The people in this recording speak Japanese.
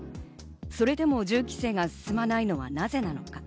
それでも銃規制が進まないのはなぜなのか。